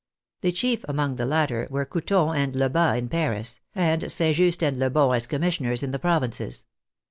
The chief among the latter were Couthon and Lebas in Paris, and St. Just and Lebon as Commissioners in th^ provinces.